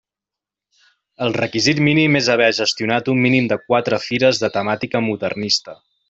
El requisit mínim és haver gestionat un mínim de quatre fires de temàtica modernista.